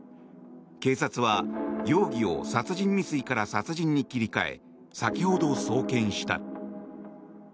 警察は容疑を殺人未遂から殺人に切り替え先ほど送検した。